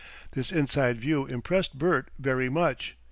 This inside view impressed Bert very much.